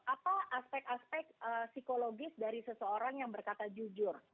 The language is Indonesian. apa aspek aspek psikologis dari seseorang yang berkata jujur